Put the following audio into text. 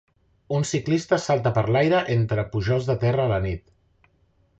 Un ciclista salta per l'aire entre pujols de terra a la nit.